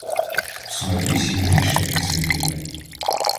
В смолі сій грішники сиділи